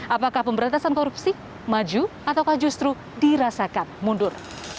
apakah pemberantasan korupsi maju ataukah justru dirasakan mundur